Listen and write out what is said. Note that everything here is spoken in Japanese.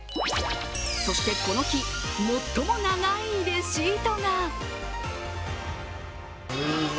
そしてこの日、最も長いレシートが。